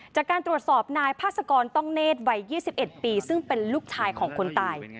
จากการตรวจสอบนายพาสกรต้องเนธวัย๒๑ปีซึ่งเป็นลูกชายของคนตาย